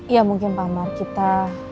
ya mungkin pak amar kita